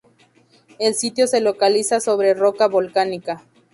El sitio se localiza sobre roca volcánica.